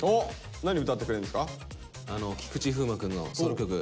何歌ってくれるんですか？